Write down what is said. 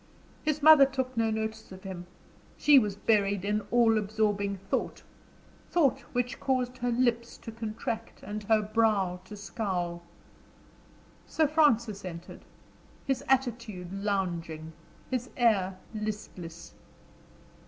His mother took no notice of him; she was buried in all absorbing thought thought which caused her lips to contract, and her brow to scowl. Sir Francis entered, his attitude lounging, his air listless.